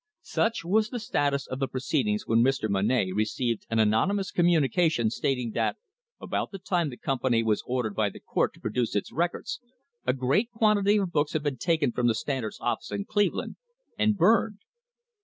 Such was the status of the proceedings when Mr. Monnett received an anonymous communication stating that, about the time the company was ordered by the court to produce its records, a great quantity of books had been taken from the Standard's office in Cleveland and burned.